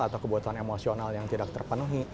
atau kebutuhan emosional yang tidak terpenuhi